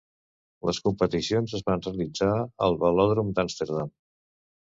Les competicions es van realitzar al Velòdrom d'Amsterdam.